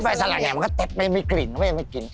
ใบสาระแหน่มันก็เต็บไปมีกลิ่นเขาไปมีกลิ่น